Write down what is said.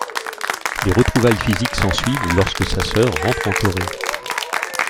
Des retrouvailles physiques s'ensuivent lorsque sa sœur rentre en Corée.